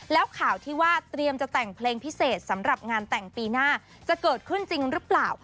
แล้วข่าวที่ว่าเตรียมจะแต่งเพลงพิเศษสำหรับงานแต่งปีหน้าจะเกิดขึ้นจริงหรือเปล่า